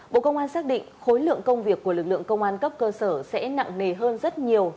bộ công an xác định khối lượng công việc của lực lượng công an cấp cơ sở sẽ nặng nề hơn rất nhiều